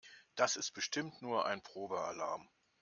Das ist bestimmt nur ein Probealarm.